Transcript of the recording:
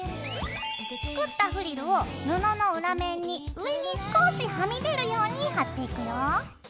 作ったフリルを布の裏面に上に少しはみ出るように貼っていくよ。